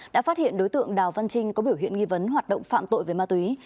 đã phát hiện đối tượng đào văn trinh có biểu hiện nghi vấn hoạt động phạm tội về ma túy